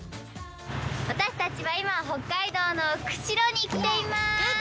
私たちは今、北海道の釧路に来ています。